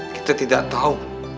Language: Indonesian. kita tidak tahu